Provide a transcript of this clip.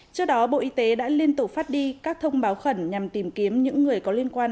trước đó bộ y tế đã liên tục phát đi các thông báo khẩn nhằm tìm kiếm những người có liên quan